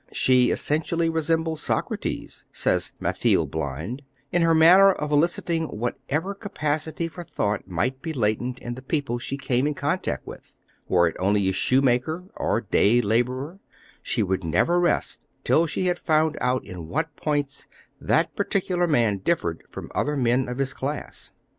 "She essentially resembled Socrates," says Mathilde Blind, "in her manner of eliciting whatsoever capacity for thought might be latent in the people she came in contact with; were it only a shoemaker or day laborer, she would never rest till she had found out in what points that particular man differed from other men of his class.